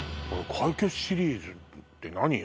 解決シリーズって何よ？